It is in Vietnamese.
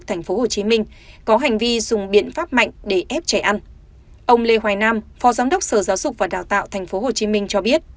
tây hoài nam phó giám đốc sở giáo dục và đào tạo tp hcm cho biết